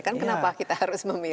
kan kenapa kita harus memilih